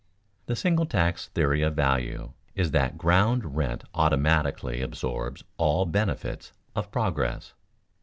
_The single tax theory of value is that ground rent automatically absorbs all benefits of progress.